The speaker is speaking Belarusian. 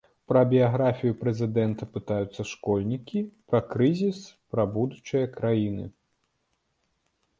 Пра біяграфію прэзідэнта пытаюцца школьнікі, пра крызіс, пра будучае краіны.